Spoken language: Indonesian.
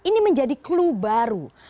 ini menjadi clue baru